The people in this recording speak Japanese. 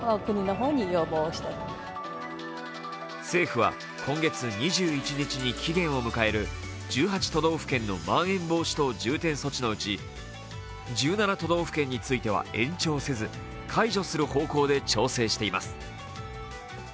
政府は今月２１日に期限を迎える１８都道府県のまん延防止等重点措置のうち１７都道府県については延長せず解除する方向で調整しています。